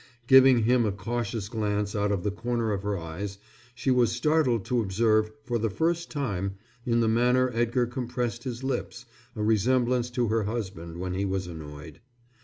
Giving him a cautious glance out of the corners of her eyes, she was startled to observe, for the first time, in the manner Edgar compressed his lips, a resemblance to her husband when he was annoyed.